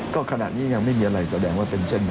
ก็ขณะนี้ยังไม่มีอะไรแสดงว่าเป็นเช่นนั้น